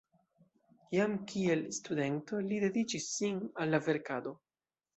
Jam kiel studento li dediĉis sin al la verkado.